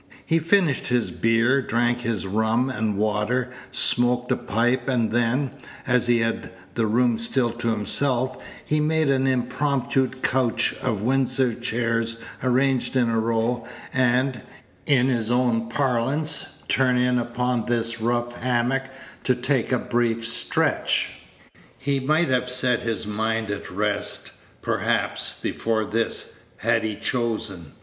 He finished his beer, drank his rum and water, smoked a pipe, and then, as he had the room Page 164 still to himself, he made an impromptu couch of Windsor chairs arranged in a row, and, in his own parlance, turned in upon this rough hammock to take a brief stretch. He might have set his mind at rest, perhaps, before this, had he chosen.